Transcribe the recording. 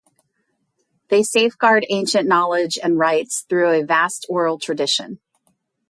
They safeguard ancient knowledge and rites through a vast oral tradition.